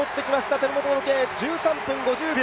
手元の時計、１３分５０秒。